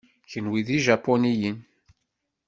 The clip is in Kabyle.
Kenwi d Ijapuniyen?